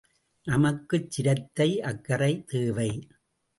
நமக்கு சிரத்தை அக்கறை தேவை!